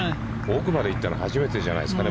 奥まで行ったのは初めてじゃないですか